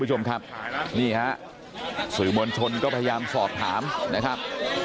นี่ครับสื่อมวลชนก็พยายามสอบถามนะครับ